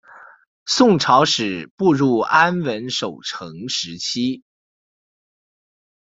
宋朝始步入安稳守成时期。